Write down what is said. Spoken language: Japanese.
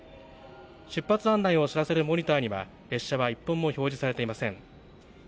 出発案内を知らせるモニターには、列車は１本も表示されていません。